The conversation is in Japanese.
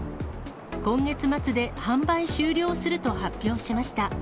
今月末で販売終了すると発表しました。